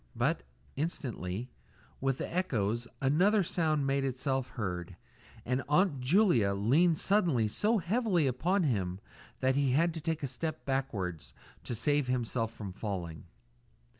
But, instantly, with the echoes, another sound made itself heard, and Aunt Julia leaned suddenly so heavily upon him that he had to take a step backwards to save himself from falling.